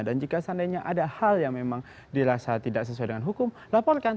dan jika seandainya ada hal yang memang dirasa tidak sesuai dengan hukum laporkan